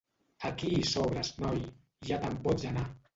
Aquí hi sobres, noi: ja te'n pots anar.